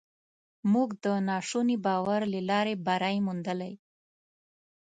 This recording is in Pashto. موږ د ناشوني باور له لارې بری موندلی.